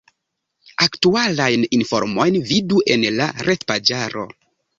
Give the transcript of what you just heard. Aktualajn informojn vidu en la retpaĝaro.